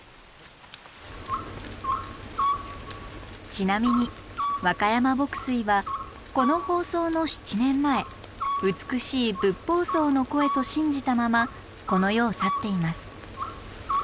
ちなみに若山牧水はこの放送の７年前美しいブッポウソウの声と信じたままこの世を去っています。